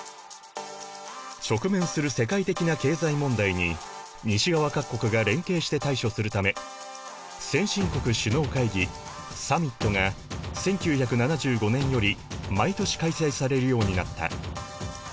直面する世界的な経済問題に西側各国が連携して対処するため先進国首脳会議サミットが１９７５年より毎年開催されるようになった。